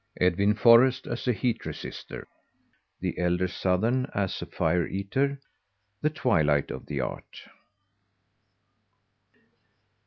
EDWIN FORREST AS A HEAT REGISTER. THE ELDER SOTHERN AS A FIRE EATER. THE TWILIGHT OF THE ART.